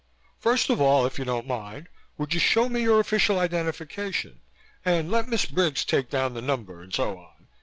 First of all, if you don't mind, would you show me your official identification and let Miss Briggs take down the number and so on.